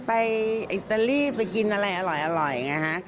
ไปอิตาลีไปกินอะไรอร่อยก่อน